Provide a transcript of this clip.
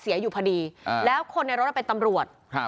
แซ็คเอ้ยเป็นยังไงไม่รอดแน่